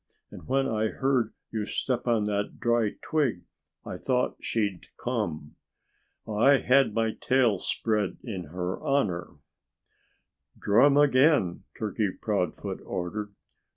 And when I heard you step on that dry twig I thought she'd come. I had my tail spread in her honor." "Drum again!" Turkey Proudfoot ordered.